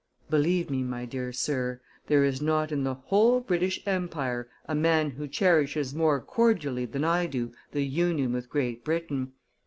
"Believe me, my dear sir, there is not in the whole British empire a man who cherishes more cordially than I do the union with Great Britain.